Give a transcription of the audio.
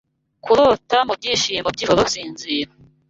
Kurota mubyishimo byijoro; Sinzira